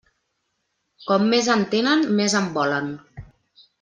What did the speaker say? Com més en tenen, més en volen.